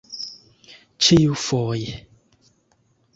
ĉiufoje